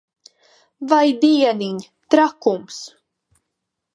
Vai dieniņ! Trakums.